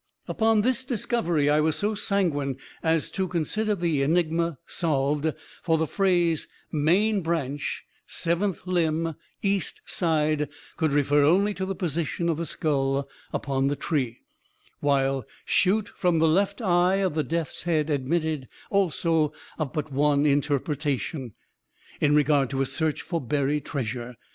"Upon this discovery I was so sanguine as to consider the enigma solved; for the phrase 'main branch, seventh limb, east side,' could refer only to the position of the skull upon the tree, while 'shoot from the left eye of the death's head' admitted, also, of but one interpretation, in regard to a search for buried treasure.